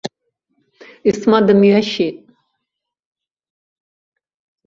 Есма дымҩашьеит.